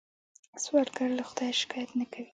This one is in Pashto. سوالګر له خدایه شکايت نه کوي